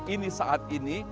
ini saat ini